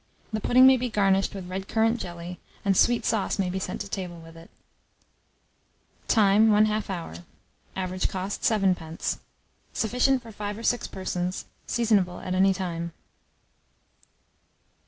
The pudding may be garnished with red currant jelly, and sweet sauce may be sent to table with it. Time. 1/2 hour. Average cost, 7d. Sufficient for 5 or 6 persons. Seasonable at any time.